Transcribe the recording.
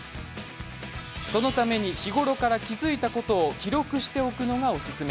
そのために、日頃から気付いたことを記録しておくのがおすすめ。